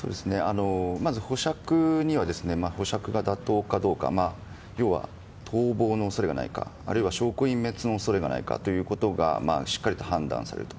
まず保釈には保釈が妥当かどうか要は、逃亡の恐れがないかあるいは証拠隠滅の恐れがないかしっかりと判断されると。